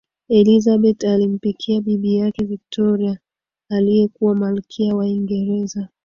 elizabeth alimpikia bibi yake victoria aliyekuwa malkia wa uingereza